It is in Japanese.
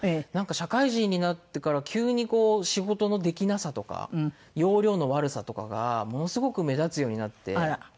なんか社会人になってから急に仕事のできなさとか要領の悪さとかがものすごく目立つようになって。